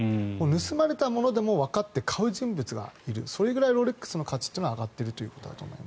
盗まれたものとわかっても買う人物がいるそれぐらい、ロレックスの価値は上がってるということだと。